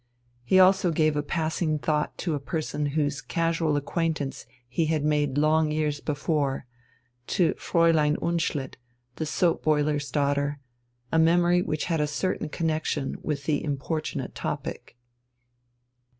He also gave a passing thought to a person whose casual acquaintance he had made long years before, to Fräulein Unschlitt, the soap boiler's daughter a memory which had a certain connexion with the importunate topic....